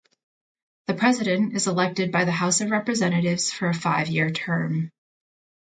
The president is elected by the House of Representatives for a five-year term.